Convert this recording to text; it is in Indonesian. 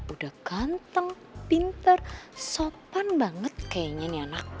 udah ganteng pinter sopan banget kayaknya nih anak